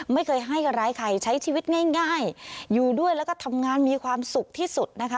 ไม่เคยให้กับร้ายใครใช้ชีวิตง่ายอยู่ด้วยแล้วก็ทำงานมีความสุขที่สุดนะคะ